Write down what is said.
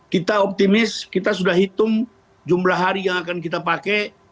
kita optimis kita sudah hitung jumlah hari yang akan kita pakai